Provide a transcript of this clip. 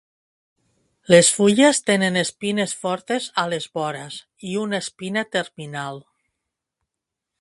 Les fulles tenen espines fortes a les vores i una espina terminal.